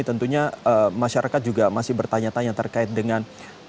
tentunya masyarakat juga masih bertanya tanya terkait dengan